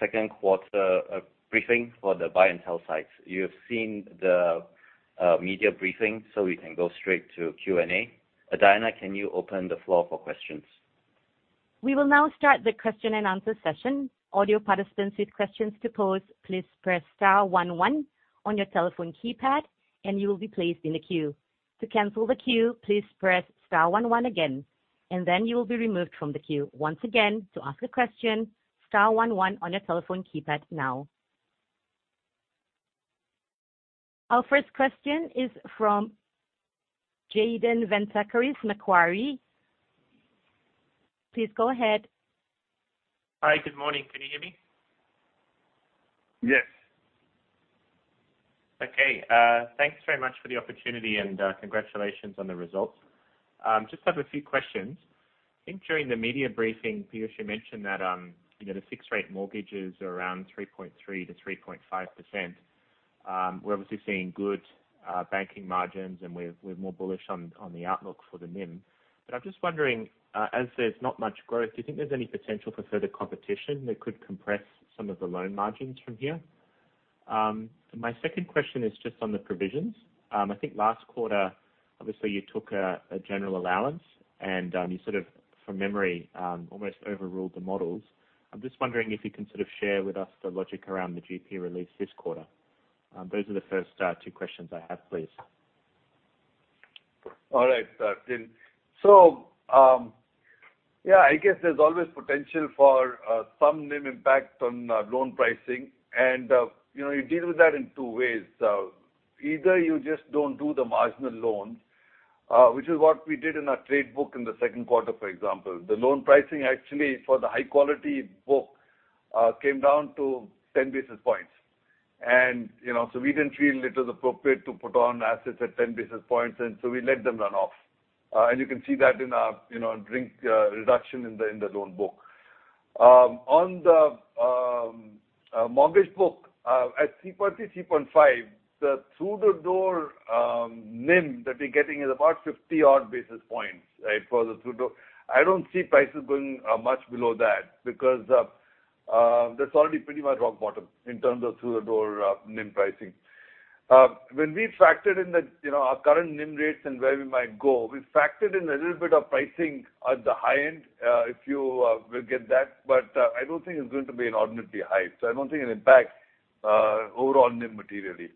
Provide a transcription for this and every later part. second quarter briefing for the buy and sell sides. You have seen the media briefing, so we can go straight to Q&A. Diana, can you open the floor for questions? We will now start the question and answer session. Audio participants with questions to pose, please press star one one on your telephone keypad, and you will be placed in a queue. To cancel the queue, please press star one one again, and then you will be removed from the queue. Once again, to ask a question, star one one on your telephone keypad now. Our first question is from Jayden Vencatachellum, Macquarie. Please go ahead. Hi, good morning. Can you hear me? Yes. Okay, thanks very much for the opportunity, congratulations on the results. Just have a few questions. I think during the media briefing, Piyush, you mentioned that, you know, the fixed-rate mortgages are around 3.3%-3.5%. We're obviously seeing good banking margins, and we're, we're more bullish on the outlook for the NIM. I'm just wondering, as there's not much growth, do you think there's any potential for further competition that could compress some of the loan margins from here? My second question is just on the provisions. I think last quarter, obviously, you took a general allowance, and you sort of, from memory, almost overruled the models. I'm just wondering if you can sort of share with us the logic around the GP release this quarter. Those are the first, two questions I have, please. All right, Jay. Yeah, I guess there's always potential for some NIM impact on loan pricing, and you know, you deal with that in two ways. Either you just don't do the marginal loans, which is what we did in our trade book in the second quarter, for example. The loan pricing actually for the high-quality book came down to 10 basis points. You know, we didn't feel it was appropriate to put on assets at 10 basis points, and we let them run off. You can see that in our, you know, shrink reduction in the loan book. On the mortgage book, at 3.3%-3.5%, the through-the-door NIM that we're getting is about 50-odd basis points, right, for the through-the-. I don't see prices going much below that because that's already pretty much rock bottom in terms of through-the-door NIM pricing. When we factored in the, you know, our current NIM rates and where we might go, we factored in a little bit of pricing at the high end, if you will get that, but I don't think it's going to be inordinately high. I don't think it impacts overall NIM materially.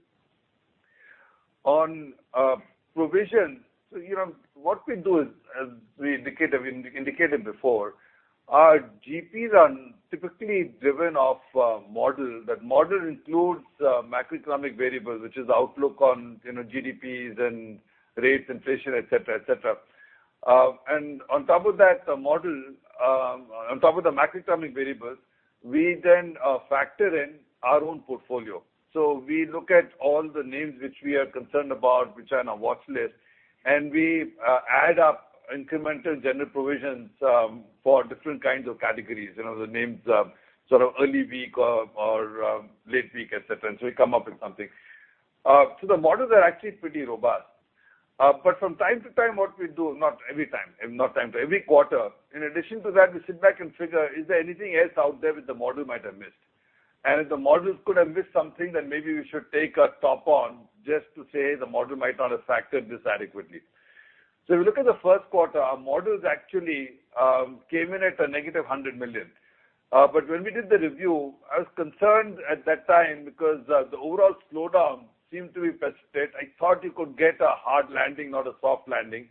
On provision, so you know, what we do is, as we indicated, indicated before, our GPs are typically driven off a model. That model includes macroeconomic variables, which is the outlook on, you know, GDPs and rates, inflation, et cetera, et cetera. On top of that, the model, on top of the macroeconomic variables, we then factor in our own portfolio. We look at all the names which we are concerned about, which are on our watch list, and we add up incremental general provisions for different kinds of categories, you know, the names, sort of early week or, or, late week, et cetera, and so we come up with something. The models are actually pretty robust. From time to time, what we do, not every time, not time, every quarter, in addition to that, we sit back and figure, is there anything else out there that the model might have missed? If the models could have missed something, then maybe we should take a top on just to say the model might not have factored this adequately. If you look at the first quarter, our models actually came in at a negative 100 million. When we did the review, I was concerned at that time because the overall slowdown seemed to be precipitate. I thought you could get a hard landing, not a soft landing.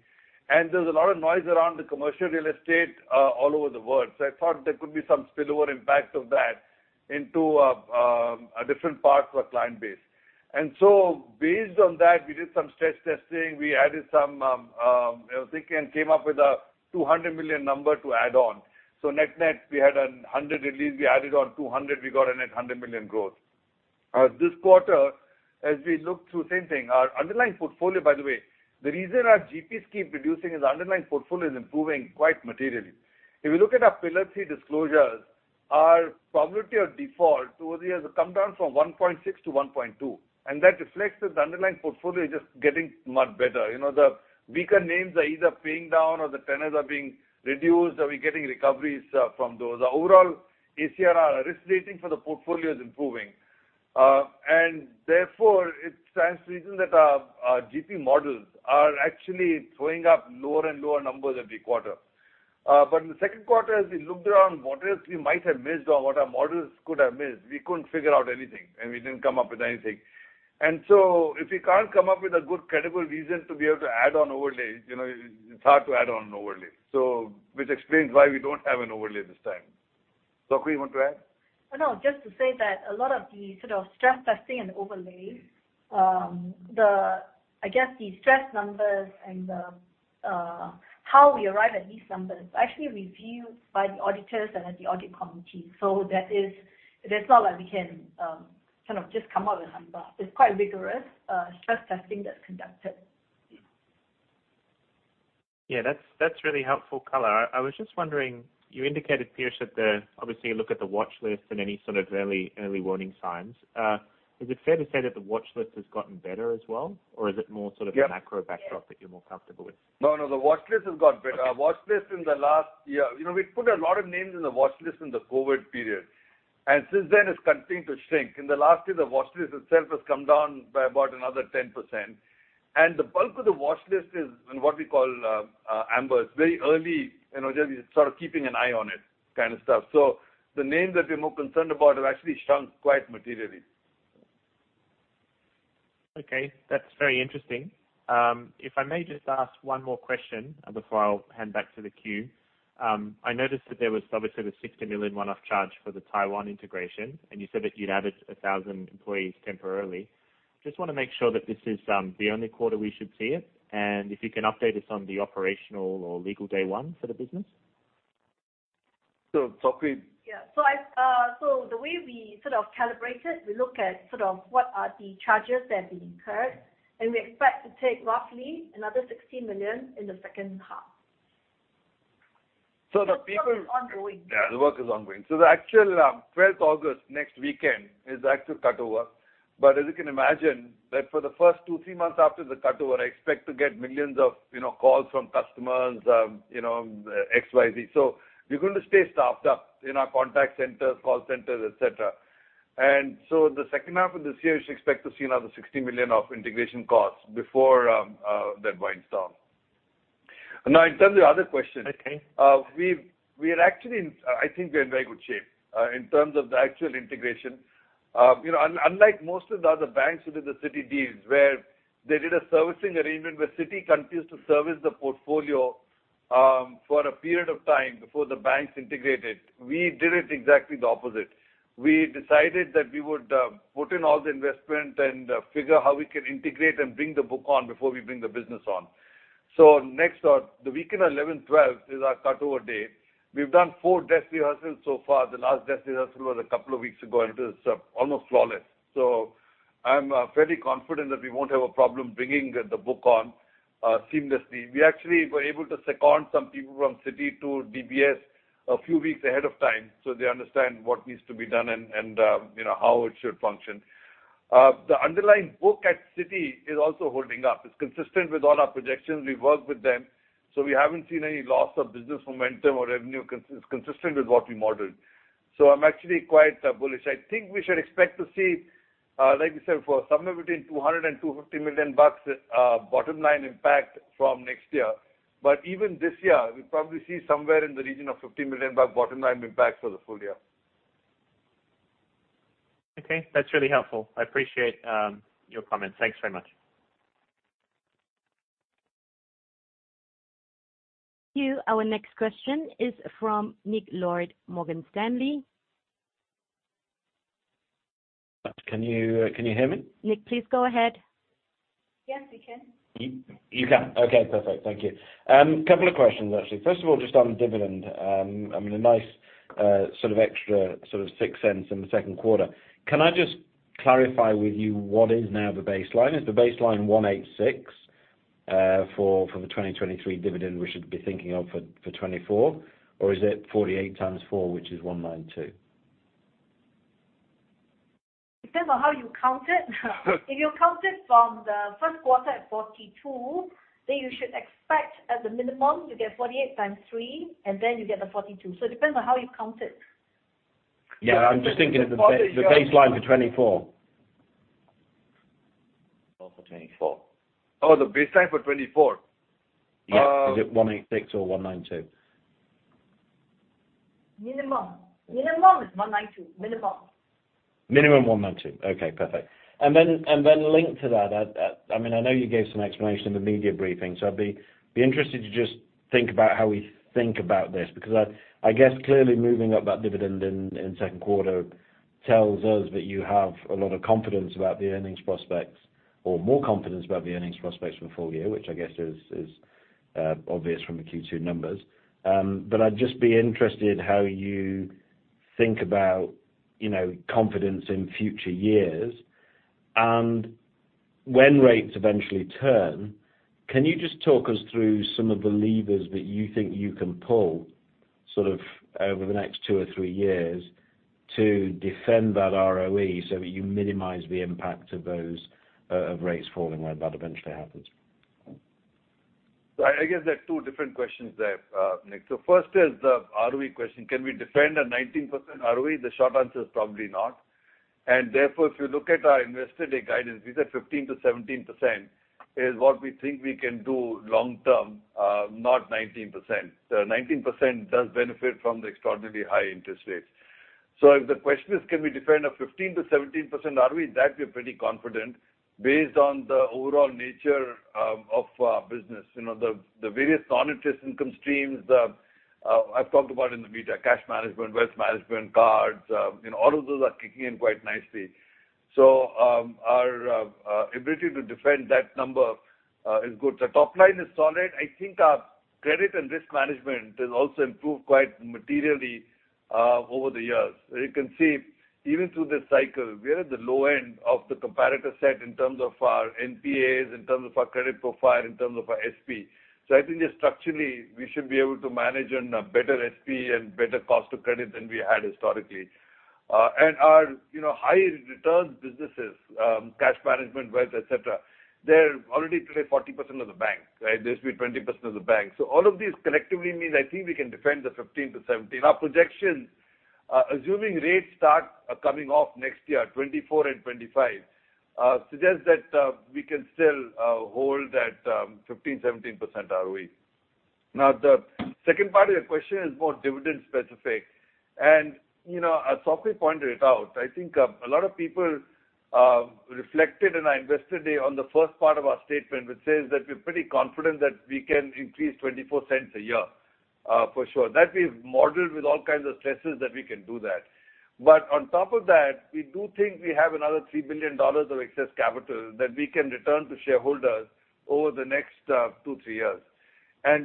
There's a lot of noise around the commercial real estate all over the world. I thought there could be some spillover impact of that into a different part of our client base. Based on that, we did some stress testing. We added some, and came up with a 200 million number to add on. Net-net, we had a 100 release, we added on 200, we got a net 100 million growth. This quarter, as we look through same thing, our underlying portfolio, by the way, the reason our GPs keep reducing is our underlying portfolio is improving quite materially. If you look at our Pillar 3 disclosures, our probability of default over the years have come down from 1.6 to 1.2, that reflects that the underlying portfolio is just getting much better. You know, the weaker names are either paying down or the tenants are being reduced, or we're getting recoveries from those. The overall ACR risk rating for the portfolio is improving. Therefore, it stands to reason that our, our GP models are actually throwing up lower and lower numbers every quarter. In the second quarter, as we looked around, what else we might have missed or what our models could have missed, we couldn't figure out anything, and we didn't come up with anything. So if you can't come up with a good, credible reason to be able to add on overlay, you know, it's hard to add on an overlay. Which explains why we don't have an overlay this time. Sok Hui, you want to add? No, just to say that a lot of the sort of stress testing and overlay, the... I guess the stress numbers and the how we arrive at these numbers, are actually reviewed by the auditors and at the audit committee. That is, that's not like we can, kind of just come up with numbers. It's quite rigorous, stress testing that's conducted. Yeah, that's, that's really helpful color. I, I was just wondering, you indicated, Piyush, that the, obviously, you look at the watch list and any sort of early, early warning signs. Is it fair to say that the watch list has gotten better as well, or is it more sort of- Yeah a macro backdrop that you're more comfortable with? No, no, the watch list has got better. Our watch list in the last year. You know, we put a lot of names in the watch list in the COVID period. Since then, it's continuing to shrink. In the last year, the watch list itself has come down by about another 10%, and the bulk of the watch list is in what we call amber. It's very early, you know, just sort of keeping an eye on it kind of stuff. The names that we're more concerned about have actually shrunk quite materially. Okay, that's very interesting. If I may just ask one more question before I'll hand back to the queue. I noticed that there was obviously the S$60 million one-off charge for the Taiwan integration, and you said that you'd added a 1,000 employees temporarily. Just want to make sure that this is, the only quarter we should see it, and if you can update us on the operational or legal day one for the business? Sok Hui? Yeah. I, so the way we sort of calibrate it, we look at sort of what are the charges that being incurred, and we expect to take roughly another 60 million in the second half. So the people- Ongoing. Yeah, the work is ongoing. The actual, twelfth August, next weekend, is the actual cutover. As you can imagine, that for the first two, three months after the cutover, I expect to get millions of, you know, calls from customers, you know, XYZ. We're going to stay staffed up in our contact centers, call centers, et cetera. The second half of this year, you should expect to see another 60 million of integration costs before that winds down. In terms of the other question. Okay. We've-- we are actually in, I think we're in very good shape, in terms of the actual integration. You know, un- unlike most of the other banks who did the Citi deals, where they did a servicing agreement where Citi continues to service the portfolio, for a period of time before the banks integrated, we did it exactly the opposite. We decided that we would, put in all the investment and, figure how we can integrate and bring the book on before we bring the business on. Next on, the weekend of 11th, 12th is our cut-over date. We've done 4 desk rehearsals so far. The last desk rehearsal was a couple of weeks ago, and it was almost flawless. I'm fairly confident that we won't have a problem bringing the, the book on, seamlessly. We actually were able to second some people from Citi to DBS a few weeks ahead of time, so they understand what needs to be done and, and, you know, how it should function. The underlying book at Citi is also holding up. It's consistent with all our projections. We've worked with them, we haven't seen any loss of business momentum or revenue consistent with what we modeled. I'm actually quite bullish. I think we should expect to see, like we said, for somewhere between 200 million-250 million bucks bottom-line impact from next year. Even this year, we'll probably see somewhere in the region of 50 million bucks bottom-line impact for the full year. Okay, that's really helpful. I appreciate your comments. Thanks very much. Thank you. Our next question is from Nick Lord, Morgan Stanley. Can you, can you hear me? Nick, please go ahead. Yes, we can. You, you can. Okay, perfect. Thank you. couple of questions, actually. First of all, just on dividend, I mean, a nice, sort of extra sort of 0.06 in the second quarter. Can I just clarify with you what is now the baseline? Is the baseline 186, for, for the 2023 dividend we should be thinking of for, for 2024, or is it 48 times 4, which is 192? Depends on how you count it. If you count it from the first quarter at 42, then you should expect, at the minimum, to get 48 times 3, and then you get the 42. It depends on how you count it. Yeah, I'm just thinking of the baseline for FY2024. For FY2024. Oh, the baseline for FY2024? Yeah. Uh- Is it 186 or 192? Minimum. Minimum is 192. Minimum. Minimum 1.92. Okay, perfect. Then, and then linked to that, I mean, I know you gave some explanation in the media briefing, so I'd be interested to just think about how we think about this, because I guess clearly moving up that dividend in second quarter tells us that you have a lot of confidence about the earnings prospects or more confidence about the earnings prospects for the full year, which I guess is obvious from the Q2 numbers. I'd just be interested how you think about, you know, confidence in future years. When rates eventually turn, can you just talk us through some of the levers that you think you can pull, sort of over the next two or three years, to defend that ROE so that you minimize the impact of those of rates falling when that eventually happens? I guess there are two different questions there, Nick. First is the ROE question: Can we defend a 19% ROE? The short answer is probably not. Therefore, if you look at our Investor Day guidance, we said 15%-17% is what we think we can do long term, not 19%. The 19% does benefit from the extraordinarily high interest rates. If the question is, can we defend a 15%-17% ROE? That we're pretty confident based on the overall nature of our business. You know, the, the various non-interest income streams, the, I've talked about in the media, cash management, wealth management, cards, you know, all of those are kicking in quite nicely. Our ability to defend that number is good. The top line is solid. I think our credit and risk management has also improved quite materially over the years. You can see, even through this cycle, we are at the low end of the comparator set in terms of our NPAs, in terms of our credit profile, in terms of our SP. I think that structurally, we should be able to manage on a better SP and better cost of credit than we had historically. Our, you know, high return businesses, cash management, wealth, et cetera, they're already today 40% of the bank, right? They used to be 20% of the bank. All of these collectively means I think we can defend the 15-17%. Our projection, assuming rates start coming off next year, FY2024 and 2025, suggests that we can still hold that 15-17% ROE. The second part of your question is more dividend specific, and, you know, as Sok Hui pointed it out, I think, a lot of people, reflected in our Investor Day on the first part of our statement, which says that we're pretty confident that we can increase FY2024 cents a year, for sure. That we've modeled with all kinds of stresses that we can do that. On top of that, we do think we have another 3 billion dollars of excess capital that we can return to shareholders over the next, two, three years.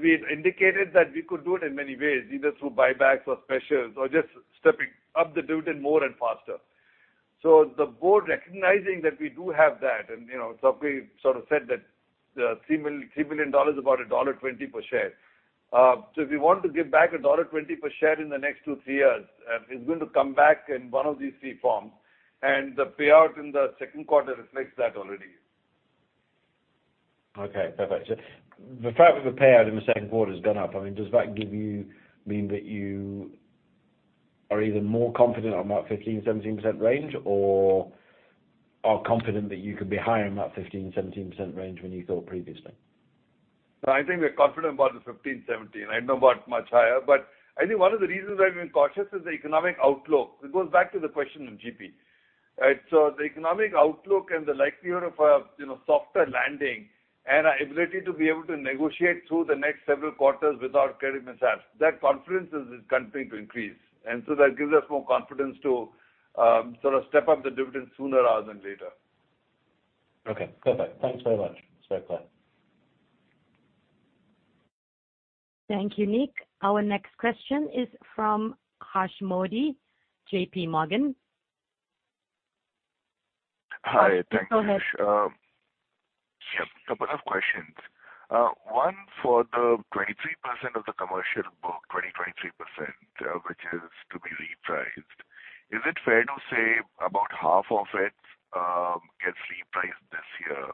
We've indicated that we could do it in many ways, either through buybacks or specials or just stepping up the dividend more and faster. The board, recognizing that we do have that, and, you know, Sok Hui sort of said that, $3 billion is about $1.20 per share. If we want to give back $1.20 per share in the next two, three years, it's going to come back in one of these three forms, and the payout in the second quarter reflects that already. Okay, perfect. The fact that the payout in the second quarter has gone up, I mean, does that give you mean that you are even more confident on that 15%-17% range, or are confident that you could be higher in that 15%-17% range when you thought previously? No, I think we're confident about the 15%-17%. I don't know about much higher, but I think one of the reasons I've been cautious is the economic outlook. It goes back to the question of GP, right? The economic outlook and the likelihood of a, you know, softer landing and our ability to be able to negotiate through the next several quarters without credit mishaps, that confidence is continuing to increase, and so that gives us more confidence to sort of step up the dividend sooner rather than later. Okay, perfect. Thanks very much. It's very clear. Thank you, Nick. Our next question is from Harsh Modi, J.P. Morgan. Hi, thank you. Go ahead. Yep, a couple of questions. One, for the 23% of the commercial book, 23%, which is to be repriced, is it fair to say about half of it gets repriced this year?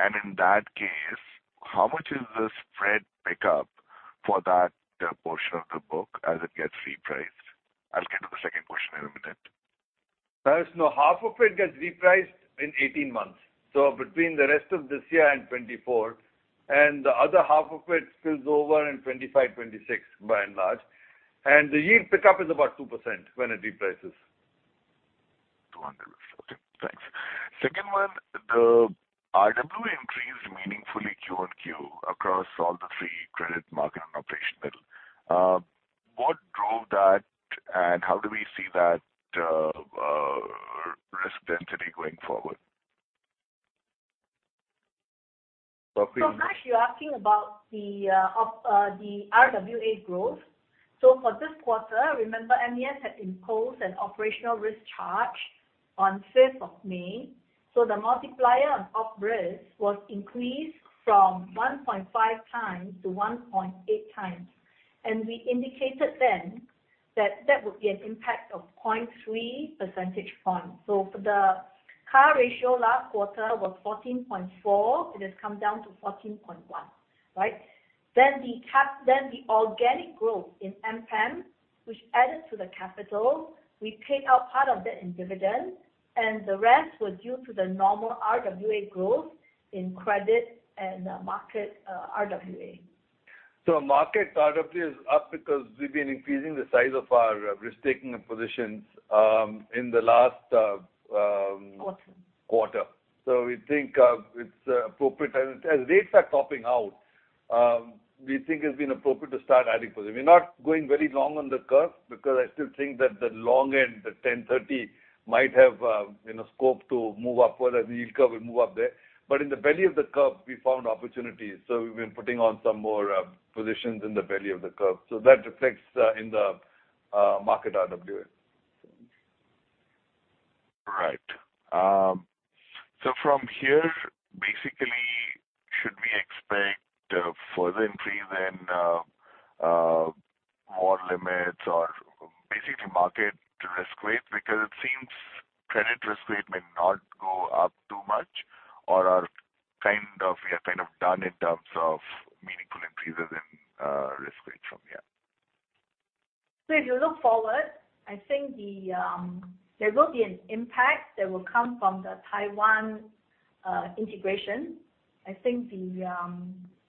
In that case, how much is the spread pick up for that portion of the book as it gets repriced? I'll get to the second question in a minute. First, now, half of it gets repriced in 18 months, so between the rest of this year and FY2024, and the other half of it spills over in 2025, 2026, by and large. The yield pickup is about 2% when it reprices. 200. Okay, thanks. Second one, the RWA increased meaningfully quarter-over-quarter across all the three credit market and operational. What drove that, and how do we see that risk density going forward? Sok Hui? Harsh, you're asking about the RWA growth. For this quarter, remember, MAS had imposed an operational risk charge on 5th of May, so the multiplier on op risk was increased from 1.5 times to 1.8 times. We indicated then that that would be an impact of 0.3 percentage points. For the CAR ratio, last quarter was 14.4, it has come down to 14.1, right? The cap, then the organic growth in MPAM, which added to the capital, we paid out part of that in dividend, and the rest was due to the normal RWA growth in credit and market RWA. Market RWA is up because we've been increasing the size of our risk-taking positions in the last. Quarter. quarter. We think, it's appropriate. As rates are topping out, we think it's been appropriate to start adding position. We're not going very long on the curve because I still think that the long end, the 10-30, might have, you know, scope to move up well as the yield curve will move up there. In the belly of the curve, we found opportunities, we've been putting on some more positions in the belly of the curve. That reflects, in the, market RWA. Right. From here, basically, should we expect further increase in more limits or basically market risk rates? Because it seems credit risk rate may not go up too much or are kind of, yeah, kind of done in terms of meaningful increases in risk rates from here. If you look forward, I think the, there will be an impact that will come from the Taiwan integration. I think the,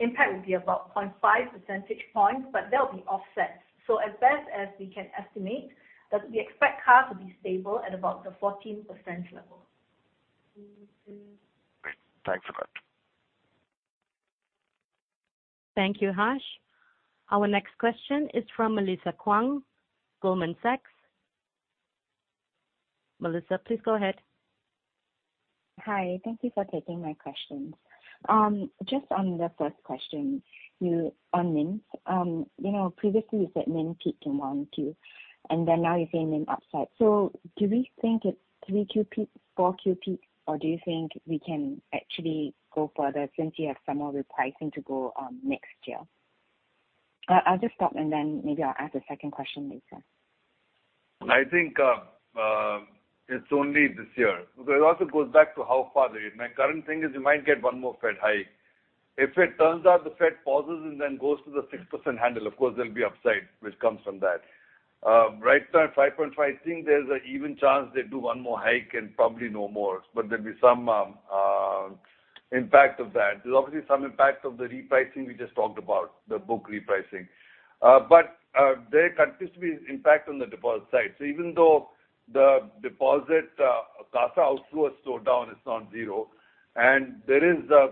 impact will be about 0.5 percentage points, but that will be offset. As best as we can estimate, that we expect CAR to be stable at about the 14% level. Great. Thanks a lot. Thank you, Harsh. Our next question is from Melissa Kuang, Goldman Sachs. Melissa, please go ahead. Hi, thank you for taking my questions. Just on the first question, you on NIM. You know, previously, you said NIM peaked in one, two, now you're saying NIM upside. Do we think it's 3Q peak, 4Q peak, or do you think we can actually go further since you have some more repricing to go on next year? I'll just stop, maybe I'll ask a second question later. I think, It's only this year. It also goes back to how far they are. My current thing is you might get one more Fed hike. If it turns out the Fed pauses and then goes to the 6% handle, of course, there'll be upside, which comes from that. Right now, at 5.5, I think there's an even chance they do one more hike and probably no more, but there'll be some impact of that. There's obviously some impact of the repricing we just talked about, the book repricing. There continues to be impact on the deposit side. Even though the deposit, CASA outflow has slowed down, it's not zero, and there is a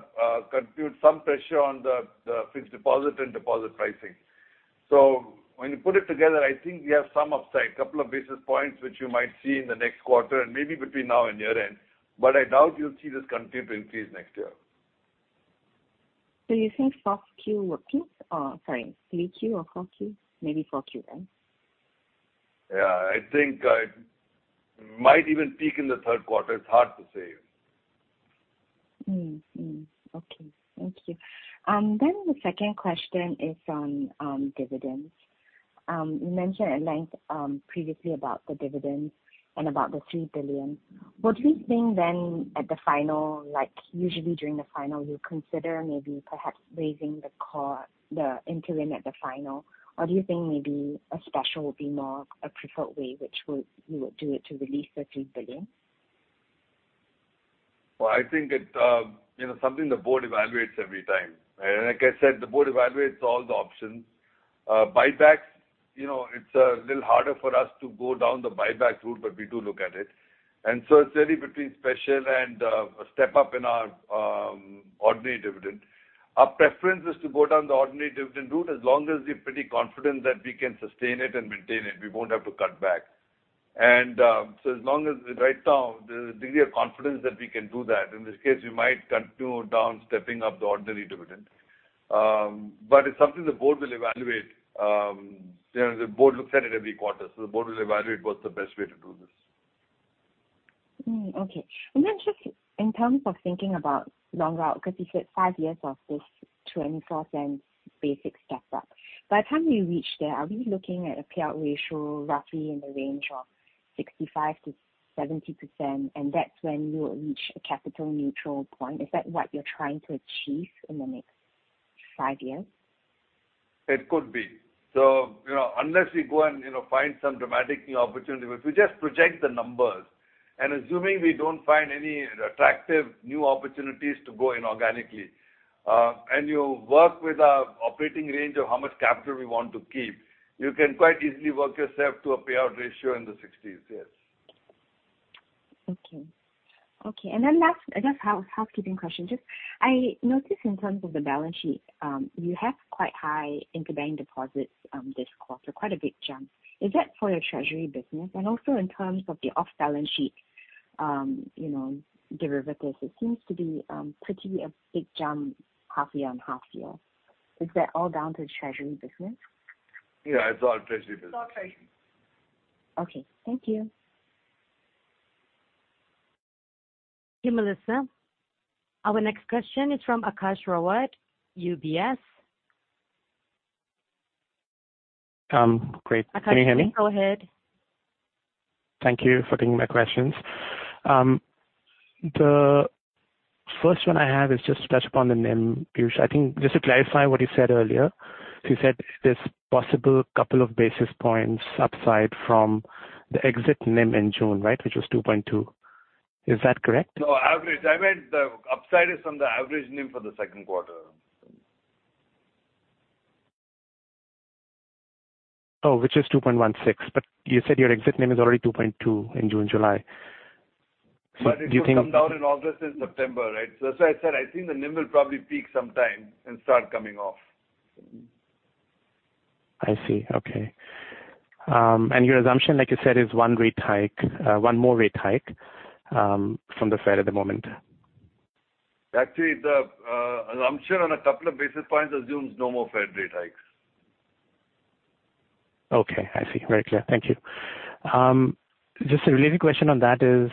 continued some pressure on the fixed deposit and deposit pricing. When you put it together, I think we have some upside, 2 basis points, which you might see in the next quarter and maybe between now and year-end, but I doubt you'll see this continue to increase next year. Do you think fourth Q will peak or, sorry, three Q or four Q? Maybe four Q then. Yeah, I think, it might even peak in the third quarter. It's hard to say. Mm, mm. Okay, thank you. The second question is on dividends. You mentioned at length previously about the dividends and about the 3 billion. Would we think then at the final, usually during the final, you consider maybe perhaps raising the interim at the final? Do you think maybe a special would be more a preferred way, which would, you would do it to release the SGD 3 billion? Well, I think it, you know, something the board evaluates every time. Like I said, the board evaluates all the options. Buybacks, you know, it's a little harder for us to go down the buyback route, but we do look at it. It's really between special and a step up in our ordinary dividend. Our preference is to go down the ordinary dividend route, as long as we're pretty confident that we can sustain it and maintain it, we won't have to cut back. As long as right now, the degree of confidence that we can do that, in this case, we might continue down, stepping up the ordinary dividend. It's something the board will evaluate, you know, the board looks at it every quarter, the board will evaluate what's the best way to do this. Okay. Then just in terms of thinking about long route, because you said 5 years of this FY2024 cents basic step up. By the time you reach there, are we looking at a payout ratio roughly in the range of 65%-70%, and that's when you will reach a capital neutral point? Is that what you're trying to achieve in the next five years? It could be. You know, unless we go and, you know, find some dramatic new opportunity, if we just project the numbers and assuming we don't find any attractive new opportunities to go in organically, and you work with our operating range of how much capital we want to keep, you can quite easily work yourself to a payout ratio in the 60s, yes. Okay. Okay, then last, just housekeeping question? Just I noticed in terms of the balance sheet, you have quite high interbank deposits, this quarter, quite a big jump. Is that for your treasury business? Also in terms of the off-balance sheet, you know, derivatives, it seems to be, pretty a big jump half year on half year. Is that all down to treasury business? Yeah, it's all treasury business. It's all treasury. Okay, thank you. Thank you, Melissa. Our next question is from Aakash Rawat, UBS. Great. Can you hear me? Akash, please go ahead. Thank you for taking my questions. The first one I have is just to touch upon the NIM, Piyush. I think just to clarify what you said earlier, you said there's possible 2 basis points upside from the exit NIM in June, right, which was 2.2%? Is that correct? No, average. I meant the upside is from the average NIM for the second quarter. Oh, which is 2.16, but you said your exit NIM is already 2.2 in June, July. Do you think- It will come down in August and September, right? That's why I said, I think the NIM will probably peak sometime and start coming off. I see. Okay. Your assumption, like you said, is one rate hike, one more rate hike, from the Fed at the moment. Actually, the assumption on a couple of basis points assumes no more Fed rate hikes. Okay, I see. Very clear. Thank you. Just a related question on that is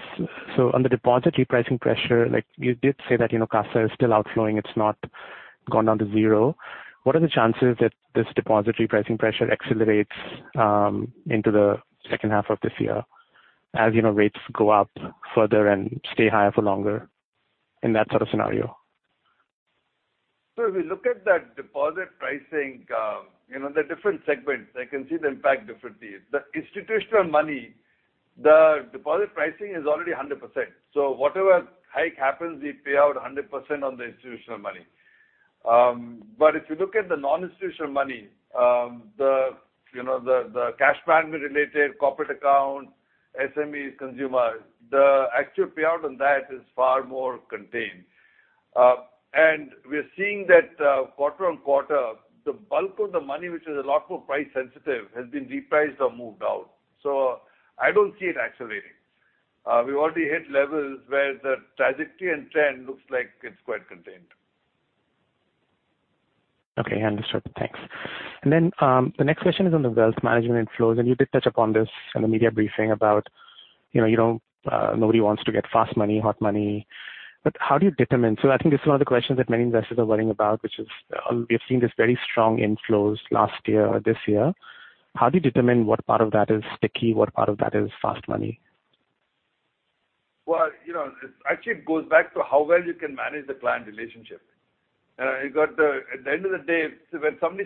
so on the deposit repricing pressure, like you did say that, you know, CASA is still outflowing, it's not gone down to zero. What are the chances that this deposit repricing pressure accelerates, into the second half of this year, as, you know, rates go up further and stay higher for longer in that sort of scenario? If you look at that deposit pricing, you know, the different segments, they can see the impact differently. The institutional money, the deposit pricing is already 100%. Whatever hike happens, we pay out 100% on the institutional money. If you look at the non-institutional money, you know, the cash management related, corporate account, SMEs, consumers, the actual payout on that is far more contained. We're seeing that quarter-on-quarter, the bulk of the money, which is a lot more price sensitive, has been repriced or moved out. I don't see it accelerating. We've already hit levels where the trajectory and trend looks like it's quite contained. Okay, understood. Thanks. Then, the next question is on the wealth management inflows. You did touch upon this in the media briefing about, you know, you don't, nobody wants to get fast money, hot money. How do you determine? I think this is one of the questions that many investors are worrying about, which is, we've seen this very strong inflows last year or this year. How do you determine what part of that is sticky, what part of that is fast money? Well, you know, it actually goes back to how well you can manage the client relationship. You got at the end of the day, so when somebody,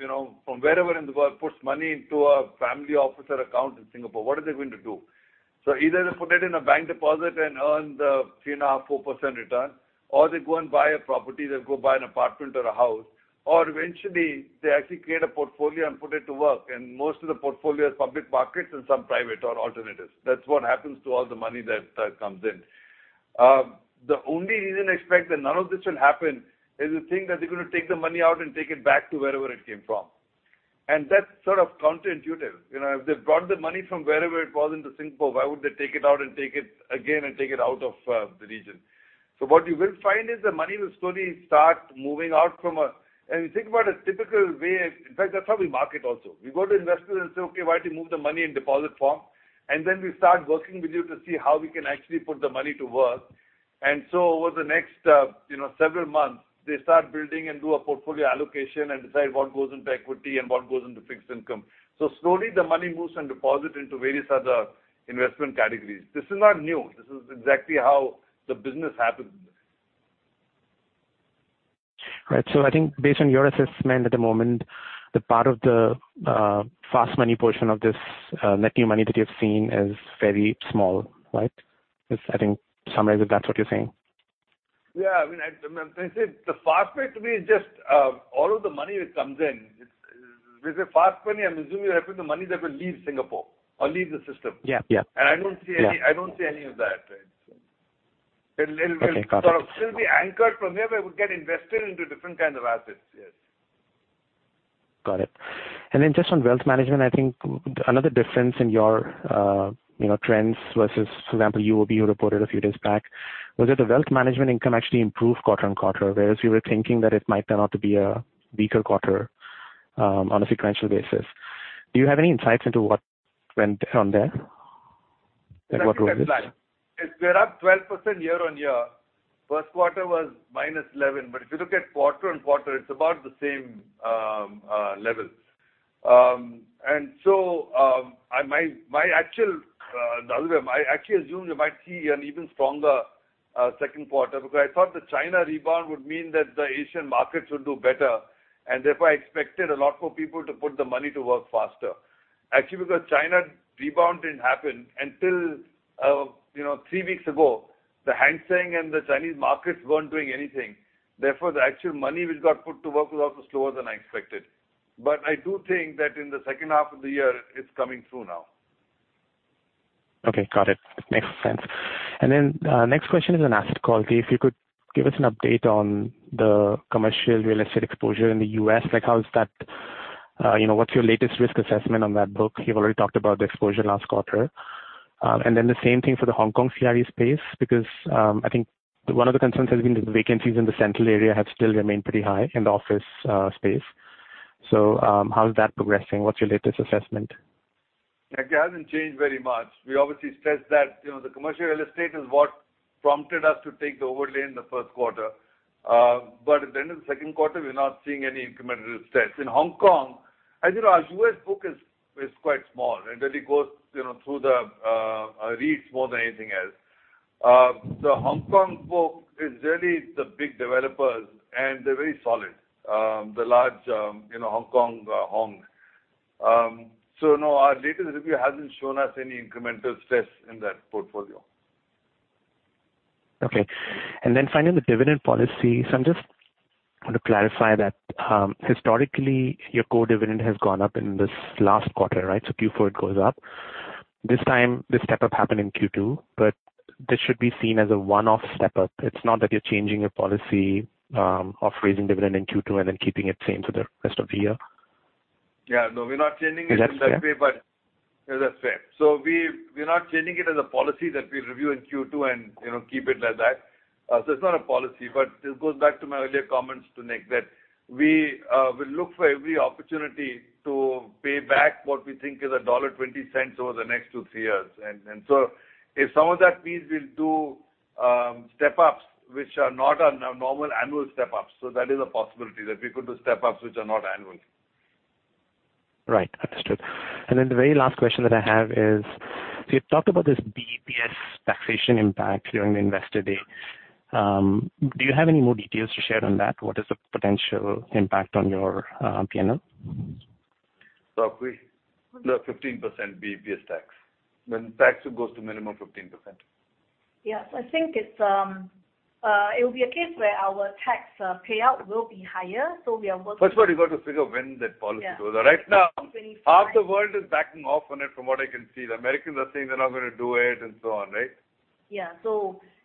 you know, from wherever in the world, puts money into a family officer account in Singapore, what are they going to do? Either they put it in a bank deposit and earn the 3.5%-4% return, or they go and buy a property, they'll go buy an apartment or a house, or eventually they actually create a portfolio and put it to work, and most of the portfolio is public markets and some private or alternatives. That's what happens to all the money that comes in. The only reason I expect that none of this will happen, is the thing that they're gonna take the money out and take it back to wherever it came from. That's sort of counterintuitive. You know, if they've brought the money from wherever it was into Singapore, why would they take it out and take it again and take it out of the region? What you will find is the money will slowly start moving out from a. If you think about a typical way, in fact, that's how we market also. We go to investors and say, "Okay, why don't you move the money in deposit form?" Then we start working with you to see how we can actually put the money to work. Over the next, you know, several months, they start building and do a portfolio allocation and decide what goes into equity and what goes into fixed income. Slowly, the money moves and deposit into various other investment categories. This is not new. This is exactly how the business happens. Right. I think based on your assessment at the moment, the part of the fast money portion of this net new money that you've seen is very small, right? If I think, summarize it, that's what you're saying. Yeah, I mean, I, the, the fast way to me is just all of the money that comes in. It's, with the fast money, I'm assuming you're referring the money that will leave Singapore or leave the system. Yeah. Yeah. I don't see any... Yeah. I don't see any of that. It, it will- Okay, got it. Sort of still be anchored. From there, it will get invested into different kinds of assets. Yes. Got it. Just on wealth management, I think another difference in your, you know, trends versus, for example, UOB who reported a few days back, was that the wealth management income actually improved quarter on quarter, whereas we were thinking that it might turn out to be a weaker quarter, on a sequential basis. Do you have any insights into what went on there? Like, what was it? We're up 12% year-on-year. First quarter was -11. If you look at quarter-on-quarter, it's about the same level. I actually assumed we might see an even stronger second quarter, because I thought the China rebound would mean that the Asian markets would do better, and therefore, I expected a lot more people to put the money to work faster. Actually, because China rebound didn't happen until, you know, three weeks ago, the Hang Seng and the Chinese markets weren't doing anything. The actual money which got put to work was also slower than I expected. I do think that in the second half of the year, it's coming through now. Okay, got it. Makes sense. Next question is on asset quality. If you could give us an update on the commercial real estate exposure in the U.S., like, how is that... you know, what's your latest risk assessment on that book? You've already talked about the exposure last quarter. The same thing for the Hong Kong CRE space, because, I think one of the concerns has been the vacancies in the central area have still remained pretty high in the office space. How is that progressing? What's your latest assessment? very much. We obviously stressed that, you know, the commercial real estate is what prompted us to take the overlay in the first quarter. But at the end of the second quarter, we're not seeing any incremental stress. In Hong Kong, as you know, our U.S. book is, is quite small, and then it goes, you know, through the REITs more than anything else. The Hong Kong book is really the big developers, and they're very solid, the large, you know, Hong Kong, Hong. So no, our latest review hasn't shown us any incremental stress in that portfolio. Finally, the dividend policy. I just want to clarify that historically, your core dividend has gone up in this last quarter, right? Q4, it goes up. This time, this step-up happened in Q2, but this should be seen as a one-off step-up. It's not that you're changing your policy of raising dividend in Q2 and then keeping it same for the rest of the year. Yeah. No, we're not changing it in that way, but... Yeah, that's fair. We, we're not changing it as a policy that we'll review in Q2 and, you know, keep it like that. It's not a policy, but this goes back to my earlier comments to Nick, that we will look for every opportunity to pay back what we think is dollar 1.20 over the next two, three years. So if some of that means we'll do step-ups, which are not on a normal annual step-up, so that is a possibility, that we could do step-ups which are not annual. Right. Understood. The very last question that I have is, you talked about this BEPS taxation impact during the Investor Day. Do you have any more details to share on that? What is the potential impact on your P&L? The 15% BEPS tax, when tax goes to minimum 15%. Yes, I think it's, it will be a case where our tax payout will be higher, so we are working- First of all, you got to figure when that policy goes out. Yeah. Right now, half the world is backing off on it from what I can see. The Americans are saying they're not gonna do it and so on, right? Yeah.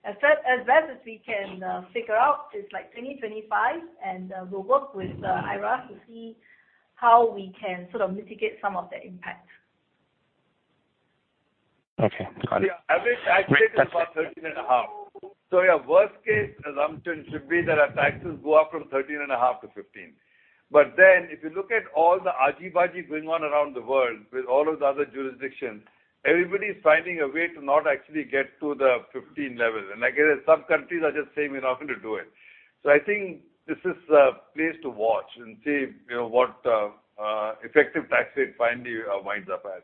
As, as best as we can, figure out, it's like 2025, and we'll work with IRA to see how we can sort of mitigate some of the impact. Okay, got it. Yeah, average tax rate is about 13.5%. Your worst-case assumption should be that our taxes go up from 13.5%-15%. Then if you look at all the ajibaji going on around the world, with all of the other jurisdictions, everybody is finding a way to not actually get to the 15 level. Again, some countries are just saying, we're not going to do it. I think this is a place to watch and see, you know, what effective tax rate finally winds up at.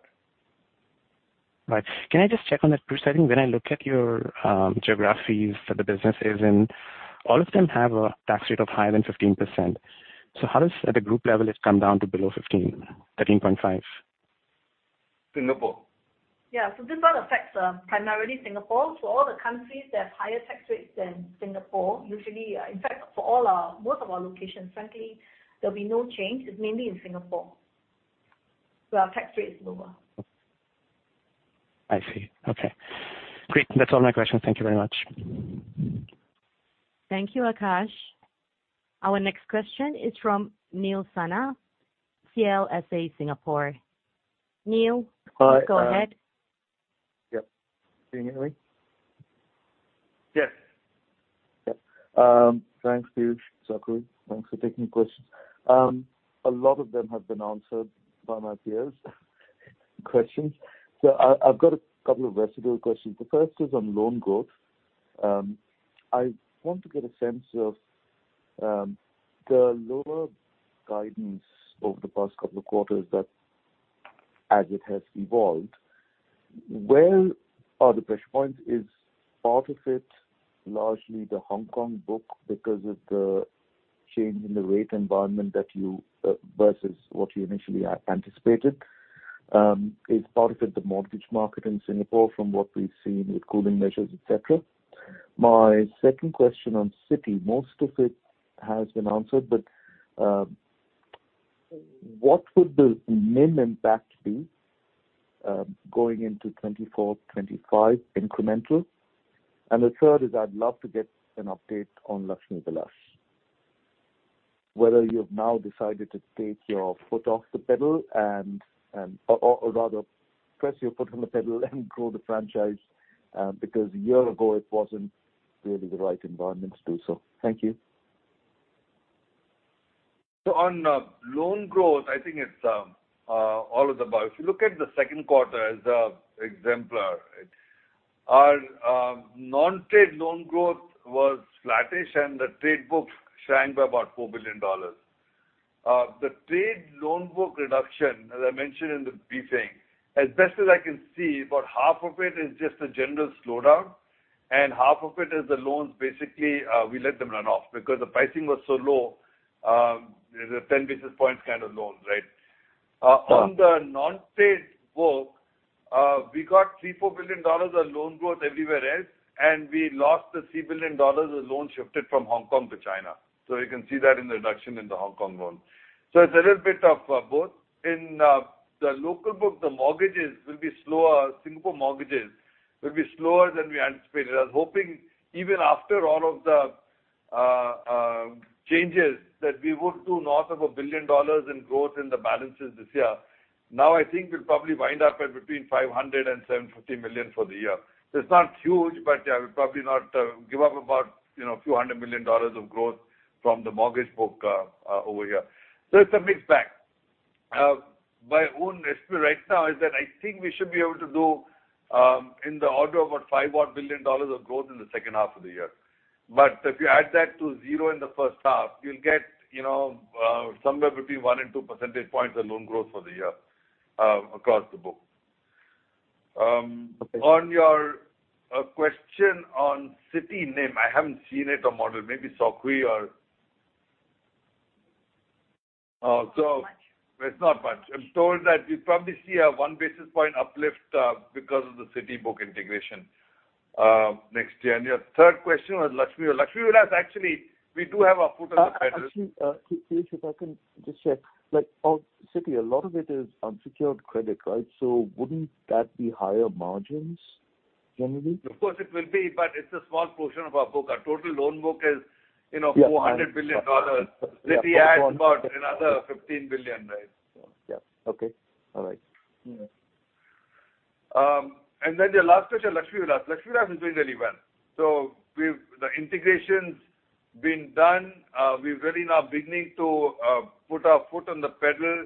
Right. Can I just check on that, please? I think when I look at your geographies that the business is in, all of them have a tax rate of higher than 15%. How does at a group level, it's come down to below 15, 13.5? Singapore. Yeah. This one affects primarily Singapore. For all the countries that have higher tax rates than Singapore, usually, in fact, most of our locations, frankly, there'll be no change. It's mainly in Singapore, where our tax rate is lower. I see. Okay, great. That's all my questions. Thank you very much. Thank you, Aakash. Our next question is from Neel Sinha, CLSA, Singapore. Neel, go ahead. Yep. Can you hear me? Yes. Yep. Thanks, Piyush, Sok Hui. Thanks for taking questions. A lot of them have been answered by my peers, questions. I, I've got a couple of residual questions. The first is on loan growth. I want to get a sense of the lower guidance over the past couple of quarters that as it has evolved, where are the pressure points? Is part of it largely the Hong Kong book, because of the change in the rate environment that you versus what you initially anticipated? Is part of it, the mortgage market in Singapore, from what we've seen with cooling measures, et cetera. My second question on Citi, most of it has been answered, but what would the NIM impact be going into FY2024, 2025 incremental? The third is, I'd love to get an update on Lakshmi Vilas. Whether you've now decided to take your foot off the pedal or rather press your foot on the pedal and grow the franchise, because a year ago it wasn't really the right environment to do so. Thank you. On loan growth, I think it's all of the above. If you look at the second quarter as a exemplar, our non-trade loan growth was flattish, and the trade book shrank by about 4 billion dollars. The trade loan book reduction, as I mentioned in the briefing, as best as I can see, about half of it is just a general slowdown, and half of it is the loans basically, we let them run off because the pricing was so low, there's a 10 basis points kind of loan, right? On the non-trade book, we got 3 billion-4 billion dollars of loan growth everywhere else, and we lost the 3 billion dollars of loans shifted from Hong Kong to China. You can see that in the reduction in the Hong Kong loan. It's a little bit of both. In the local book, the mortgages will be slower, Singapore mortgages will be slower than we anticipated. I was hoping even after all of the changes, that we would do north of 1 billion dollars in growth in the balances this year. I think we'll probably wind up at between 500 million-750 million for the year. It's not huge, but yeah, we'll probably not give up about, you know, a few hundred million SGD of growth from the mortgage book over here. It's a mixed bag. My own estimate right now is that I think we should be able to do in the order of about 5 billion dollars of growth in the second half of the year. If you add that to zero in the first half, you'll get, you know, somewhere between one and two percentage points of loan growth for the year across the book. On your question on Citi NIM, I haven't seen it or model, maybe Sok Hui or... Not much. It's not much. I'm told that we probably see a one basis point uplift, because of the Citi book integration, next year. Your third question was Lakshmi Vilas. Lakshmi Vilas, actually, we do have our foot on the pedal. Actually, Piyush, if I can just check. Like, on Citi, a lot of it is unsecured credit, right? Wouldn't that be higher margins, generally? Of course, it will be, but it's a small portion of our book. Our total loan book is, you know, $400 billion. Citi adds about another $15 billion, right? Yeah. Okay. All right. Yeah. Your last question, Lakshmi Vilas. Laxmi Vilas is doing really well. We've the integration's been done. We're very now beginning to put our foot on the pedal.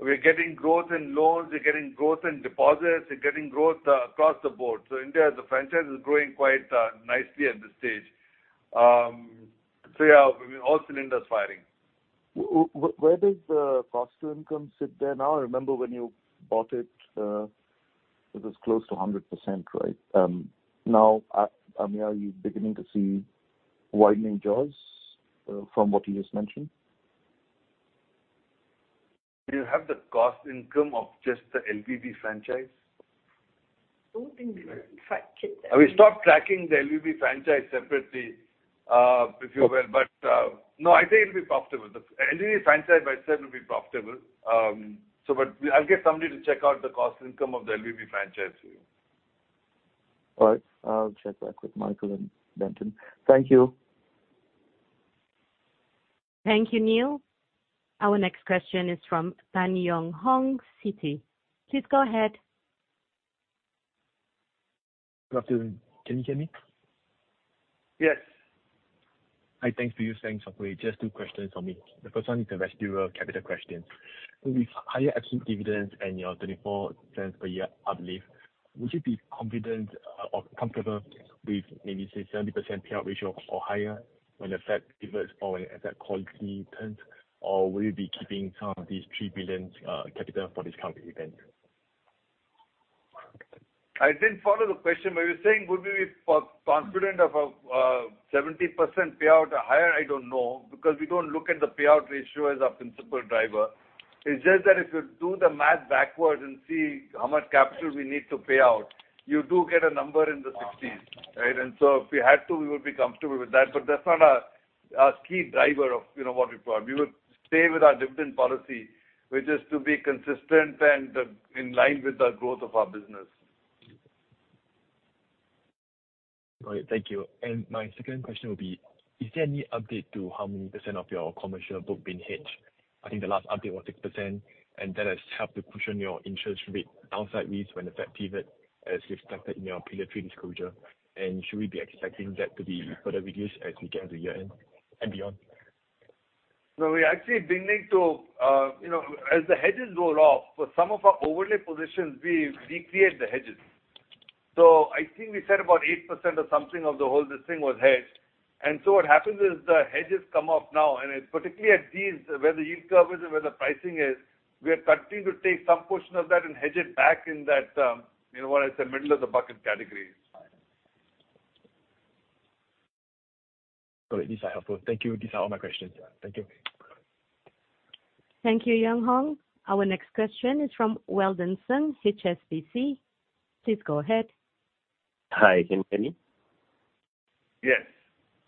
We're getting growth in loans, we're getting growth in deposits, we're getting growth across the board. India, as a franchise, is growing quite nicely at this stage. Yeah, all cylinders firing. Where does the cost to income sit there now? I remember when you bought it, it was close to 100%, right? Now, I mean, are you beginning to see widening jaws from what you just mentioned? Do you have the cost income of just the LBB franchise? I don't think we track it. We stopped tracking the LBB franchise separately, if you will. No, I think it'll be profitable. The LBB franchise by itself will be profitable. I'll get somebody to check out the cost income of the LBB franchise for you. All right. I'll check back with Michael and Denton. Thank you. Thank you, Neel. Our next question is from Tan Yong Hong, Citi. Please go ahead. Good afternoon. Can you hear me? Yes. Hi, thanks to you. Thanks for waiting. Just two questions for me. The first one is a residual capital question. With higher absolute dividends and your 0.34 per year, I believe, would you be confident, or comfortable with maybe say 70% payout ratio or higher when the Fed differs or when asset quality turns? Will you be keeping some of these 3 billion capital for this current event? I didn't follow the question, but you're saying, would we be confident of a 70% payout or higher? I don't know, because we don't look at the payout ratio as our principal driver. It's just that if you do the math backwards and see how much capital we need to pay out, you do get a number in the 60s, right? If we had to, we would be comfortable with that, but that's not our key driver of, you know, what we want. We would stay with our dividend policy, which is to be consistent and in line with the growth of our business. All right. Thank you. My second question would be: Is there any update to how many % of your commercial book being hedged? I think the last update was 6%, that has helped to cushion your interest rate downside risks when the Fed pivot, as you've stated in your Pillar three disclosures. Should we be expecting that to be further reduced as we get to year-end and beyond? We are actually beginning to, you know, as the hedges roll off, for some of our overlay positions, we, we create the hedges. I think we said about 8% or something of the whole, this thing was hedged. What happens is, the hedges come off now, and particularly at these, where the yield curve is and where the pricing is, we are continuing to take some portion of that and hedge it back in that, you know, what I said, middle of the bucket category. Got it. These are helpful. Thank you. These are all my questions. Yeah. Thank you. Thank you, Yong Hong. Our next question is from Weldon Sng, HSBC. Please go ahead. Hi, can you hear me? Yes.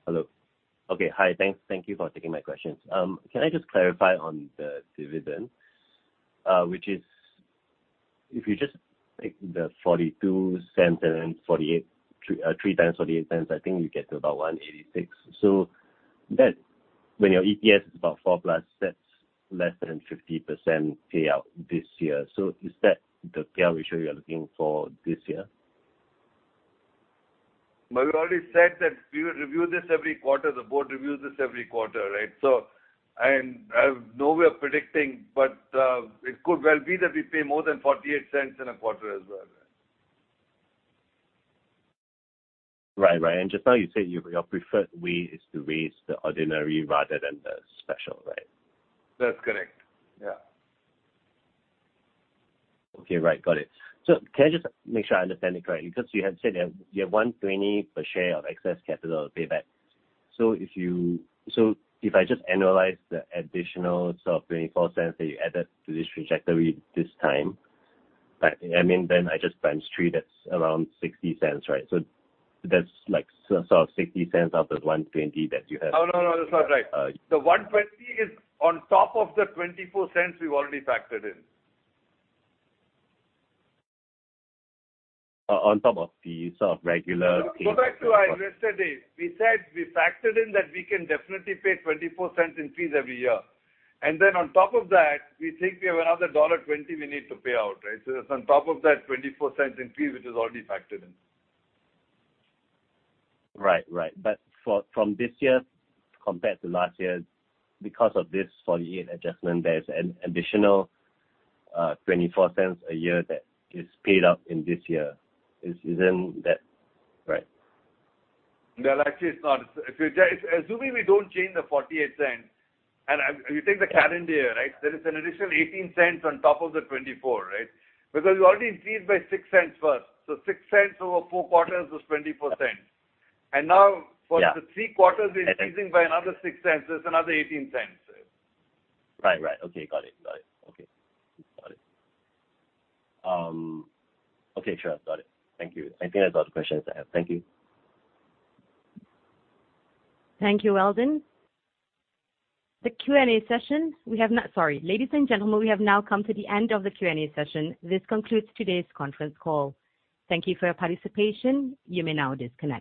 Hello. Okay, hi. Thanks. Thank you for taking my questions. Can I just clarify on the dividend, which is if you just take the 0.42 and 3 times 0.48, I think you get to about 1.86. So that when your EPS is about 4 plus, that's less than 50% payout this year. Is that the payout ratio you're looking for this year? We already said that we would review this every quarter. The board reviews this every quarter, right? I have no way of predicting, but it could well be that we pay more than 0.48 in a quarter as well. Right. Right. Just now, you said your preferred way is to raise the ordinary rather than the special, right? That's correct. Yeah. Okay, right. Got it. Can I just make sure I understand it correctly? You had said that you have 1.20 per share of excess capital to pay back. If I just annualize the additional sort of FY2024 cents that you added to this trajectory this time, then I just times 3, that's around 0.60, right? That's like sort of 0.60 out of 1.20 that you have. Oh, no, no, that's not right. Uh- The 1.20 is on top of the FY2024 cents we've already factored in. On top of the sort of regular- Go back to yesterday. We said we factored in that we can definitely pay FY2024 cents increase every year. On top of that, we think we have another dollar 1.20 we need to pay out, right? That's on top of that FY2024 cents increase, which is already factored in. Right. Right. For, from this year compared to last year, because of this 48 adjustment, there's an additional FY2024 cents a year that is paid out in this year. Is, isn't that right? Well, actually, it's not. If you, assuming we don't change the 0.48, you take the calendar year, right? There is an additional 0.18 on top of the FY2024, right? You already increased by 0.06 first. 0.06 over 4 quarters is FY2024 cents. Okay. Now. Yeah. -for the three quarters, we're increasing by another 0.06. That's another 0.18. Right. Right. Okay, got it. Got it. Okay. Got it. Okay, sure. Got it. Thank you. I think that's all the questions I have. Thank you. Thank you, Weldon. The Q&A session. Sorry. Ladies and gentlemen, we have now come to the end of the Q&A session. This concludes today's conference call. Thank you for your participation. You may now disconnect.